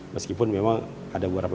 meskipun memang ada beberapa